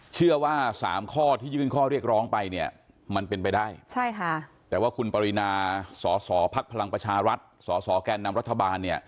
เชื่อว่า๓ข้อที่ยืนข้อเรียกร้องไปมันเป็นไปได้แต่ว่าคุณปริณาสศภักดิ์พลังประชารัฐสศแก่นนำรัฐบาล